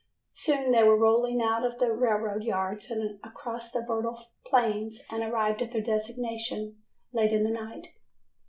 Soon they were rolling out of the railroad yards and across the fertile plains and arrived at their destination late in the night.